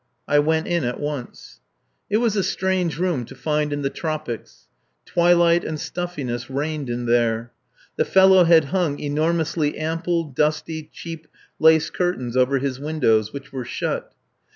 I went in at once. It was a strange room to find in the tropics. Twilight and stuffiness reigned in there. The fellow had hung enormously ample, dusty, cheap lace curtains over his windows, which were shut.